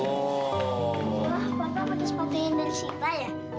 oh papa mau disempatkan dari sita ya